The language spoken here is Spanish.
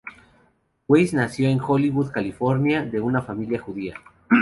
Weiss nació en Hollywood, California, de una familia judía.